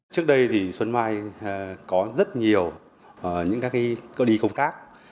trước đây thì xuân mai có rất nhiều những cái đi công tác